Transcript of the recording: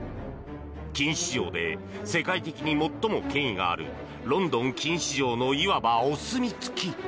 金市場で世界的に最も権威があるロンドン金市場のいわばお墨付き。